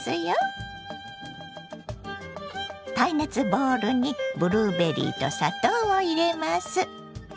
耐熱ボウルにブルーベリーと砂糖を入れます。